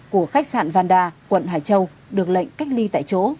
của khách sạn vanda quận hải châu được lệnh cách ly tại chỗ